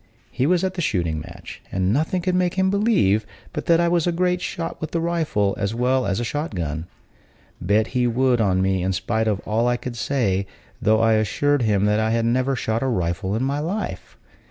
He was at the shooting match, and nothing could make him believe but that I was a great shot with a rifle as well as a shot gun. Bet he would on me, in spite of all I could say, though I assured him that I had never shot a rifle in my life.